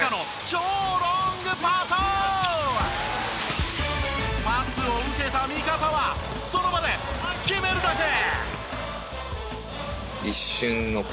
パスを受けた味方はその場で決めるだけ！